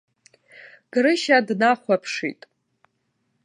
Грышьа днахәаԥшит.